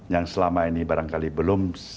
yang selama ini barangkali belum